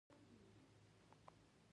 زما ملا درد کوي